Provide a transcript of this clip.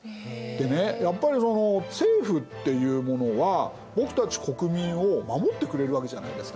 でねやっぱりその政府っていうものは僕たち国民を守ってくれるわけじゃないですか？